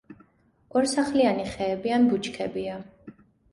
ორსახლიანი ხეები ან ბუჩქებია.